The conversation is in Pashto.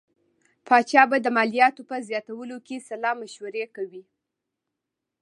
پاچا به د مالیاتو په زیاتولو کې سلا مشورې کوي.